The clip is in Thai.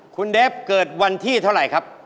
คุณเดฟเกิดวันที่เท่าไหร่ครับ